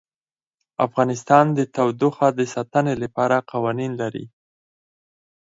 افغانستان د تودوخه د ساتنې لپاره قوانین لري.